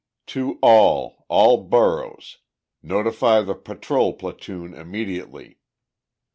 To all, all Boroughs—notify the patrol platoon immediately.